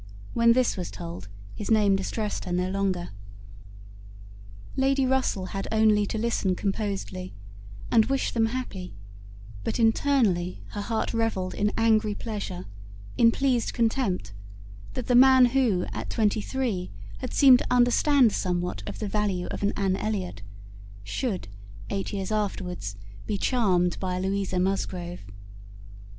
When this was told, his name distressed her no longer. Lady Russell had only to listen composedly, and wish them happy, but internally her heart revelled in angry pleasure, in pleased contempt, that the man who at twenty three had seemed to understand somewhat of the value of an Anne Elliot, should, eight years afterwards, be charmed by a Louisa Musgrove.